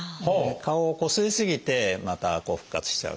顔をこすり過ぎてまた復活しちゃうっていうか。